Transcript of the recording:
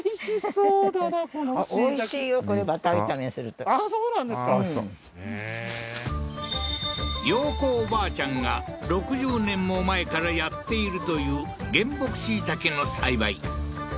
うん洋子おばあちゃんが６０年も前からやっているという原木椎茸の栽培